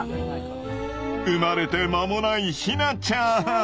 生まれて間もないヒナちゃん。